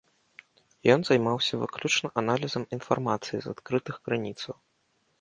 Ён займаўся выключна аналізам інфармацыі з адкрытых крыніцаў.